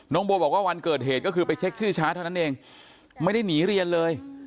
โบบอกว่าวันเกิดเหตุก็คือไปเช็คชื่อช้าเท่านั้นเองไม่ได้หนีเรียนเลย